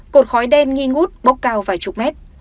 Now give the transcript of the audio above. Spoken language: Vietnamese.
cột khói đen nghi ngút bốc cao vài chục mét